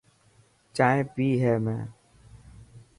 جائن پئي هي ۾.